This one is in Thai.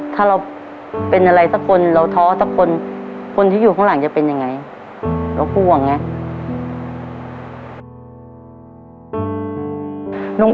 ถ้าเราเท่าว่างไงทุกคนของเราก็ต้องการรีบทหาร